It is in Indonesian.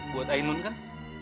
buat ainun kan